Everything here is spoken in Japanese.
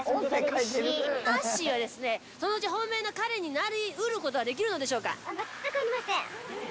アッシーはですね、そのうち本命の彼になりうることはできるのでしょうか。